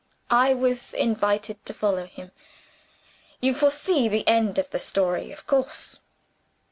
I was invited to follow him. You foresee the end of the story, of course?